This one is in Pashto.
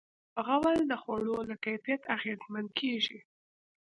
غول د خوړو له کیفیت اغېزمن کېږي.